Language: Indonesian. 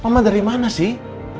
mama dari mana sih